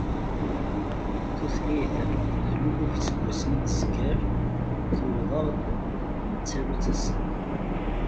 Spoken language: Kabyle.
Tutlayt-a d luluf iseggasen i d-tezger, tewweḍ-aɣ-d nettaru-tt assa.